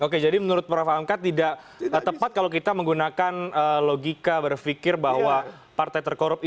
oke jadi menurut prof hamka tidak bisa dikatakan karena perintah partainya itu baru bisa dikatakan bahwa partai yang menyuruh dia baru kita katakan partainya terkorupsi